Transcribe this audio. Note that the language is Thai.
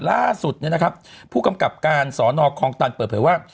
ล่าสุดพู่กำกัดการสรคองตันเปิดเผยว่า